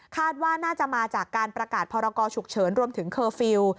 ว่าน่าจะมาจากการประกาศพรกรฉุกเฉินรวมถึงเคอร์ฟิลล์